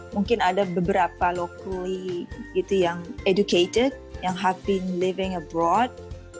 mungkin ada beberapa locally gitu yang educated yang have been living abroad